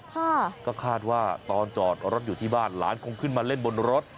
ค่ะก็คาดว่าตอนจอดรถอยู่ที่บ้านหลานคงขึ้นมาเล่นบนรถ